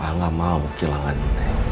ah gak mau kehilanganmu